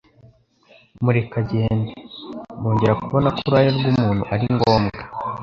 mureke agende." Bongera kubona ko uruhare rw'umuntu ari ngombwa.